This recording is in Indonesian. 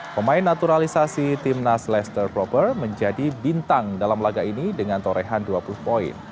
pemain naturalisasi timnas lester proper menjadi bintang dalam laga ini dengan torehan dua puluh poin